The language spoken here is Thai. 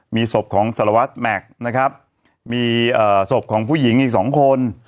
มีศพของสารวัตรแม็กซ์นะครับมีศพของผู้หญิงอีกสองคน